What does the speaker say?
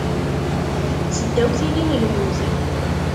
Seddaw tilli n lmut.